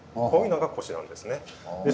こういうのがコシなんですね。